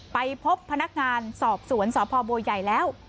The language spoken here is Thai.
ไปพบพนักงานสอบสวนสพบัวใหญ่แล้ว